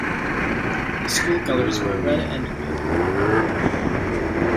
The school colours were red and green.